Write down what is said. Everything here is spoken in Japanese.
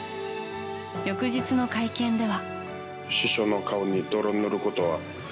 翌日の会見では。